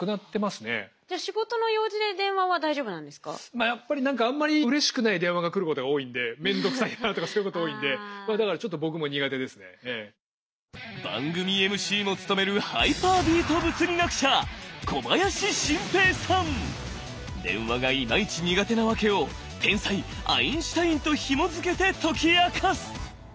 まあやっぱり何かあんまりうれしくない電話が来ることが多いんで面倒くさいなとかそういうこと多いんで番組ＭＣも務めるハイパービート物理学者電話がイマイチ苦手なワケを天才アインシュタインとひもづけて解き明かす！